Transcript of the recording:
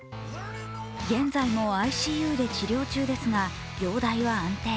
現在もＩＣＵで治療中ですが、容体は安定。